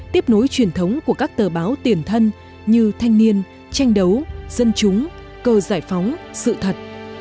tiếp nối truyền thống của các tờ báo tiền thân như thanh niên tranh đấu dân chúng cờ giải phóng sự thật